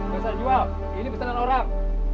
bisa jual ini pesanan orang